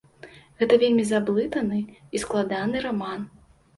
Гэта вельмі заблытаны і складаны раман.